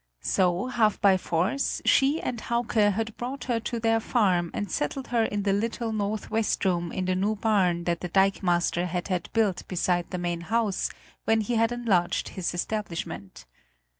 So, half by force, she and Hauke had brought her to their farm and settled her in the little northwest room in the new barn that the dikemaster had had built beside the main house when he had enlarged his establishment.